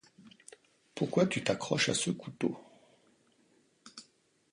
Pourquoi tu t'accroches à ce couteau.